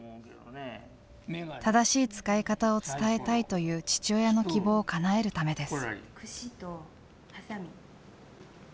正しい使い方を伝えたいという父親の希望をかなえるためです。